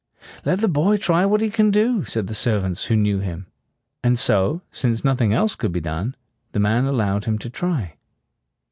"Let the boy try what he can do," said the servants, who knew him. And so, since nothing else could be done, the man allowed him to try.